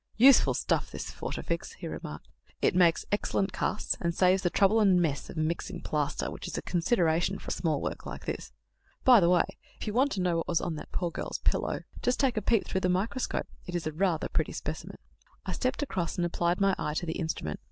"Useful stuff, this Fortafix," he remarked; "it makes excellent casts, and saves the trouble and mess of mixing plaster, which is a consideration for small work like this. By the way, if you want to know what was on that poor girl's pillow, just take a peep through the microscope. It is rather a pretty specimen." I stepped across, and applied my eye to the instrument.